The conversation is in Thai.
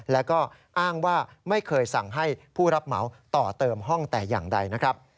แล้วก็อ้างว่าไม่เคยสั่งให้ผู้รับเหมาต่อเติมห้องแต่อย่างใดนะครับ